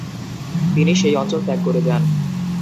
তিনি সেই অঞ্চল ত্যাগ করে যান।